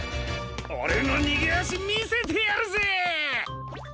オレのにげあしみせてやるぜー！